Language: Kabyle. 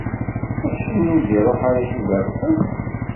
Acimi ur d-iruḥ ara Yuba iḍelli?